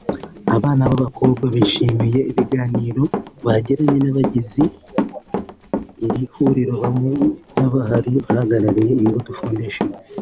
Abana b'abakobwa bishimiye ibiganiro bagiranye n'abagize iri huriro hamwe n'abari bahagarariye Imbuto Foundation